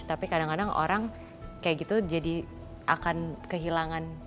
tapi kadang kadang orang kayak gitu jadi akan kehilangan